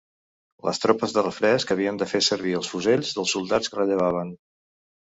Les tropes de refresc havien de fer servir els fusells dels soldats que rellevaven.